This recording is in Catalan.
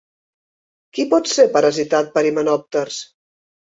Qui pot ser parasitat per himenòpters?